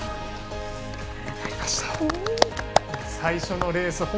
最初のレース